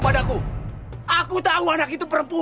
akan aku pasung kamu